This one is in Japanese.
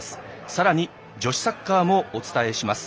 さらに女子サッカーもお伝えします。